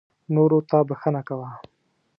نورو ته بښنه کوه .